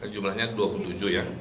jumlahnya dua puluh tujuh ya